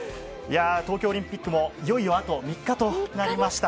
東京オリンピックもいよいよあと３日となりました。